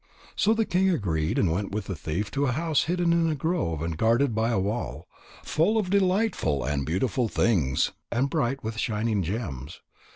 So the king agreed and went with the thief to a house hidden in a grove and guarded by a wall, full of delightful and beautiful things, and bright with shining gems.